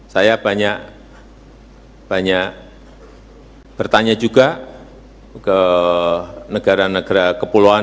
saya banyak bertanya juga ke negara negara kepulauan